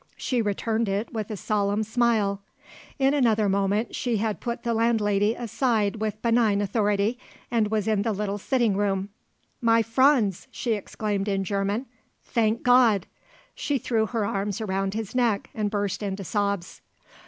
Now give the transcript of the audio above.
She returned it with a solemn smile. In another moment she had put the landlady aside with benign authority and was in the little sitting room. "My Franz!" she exclaimed in German. "Thank God!" She threw her arms around his neck and burst into sobs.